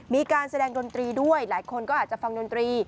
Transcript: มีการแสดงดนตรีด้วยหลายคนก็อาจจะฟังดนตรี